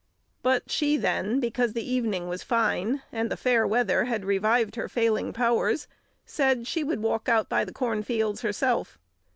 But she then, because the evening was fine and the fairer weather had revived her failing powers, said she would walk out by the cornfields herself.